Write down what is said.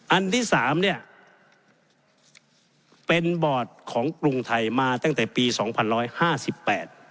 อันที่สามเนี้ยเป็นบอร์ดของกรุงไทยมาตั้งแต่ปีสองพันร้อยห้าสิบแปด